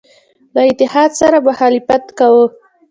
له اتحاد سره مخالفت کاوه.